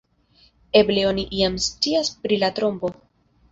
Eble oni jam scias pri la trompo.